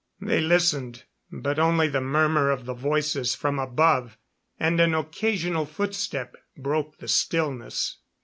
They listened, but only the murmur of the voices from above, and an occasional footstep, broke the stillness.